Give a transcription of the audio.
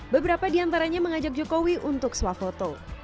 beberapa di antaranya mengajak jokowi untuk swafoto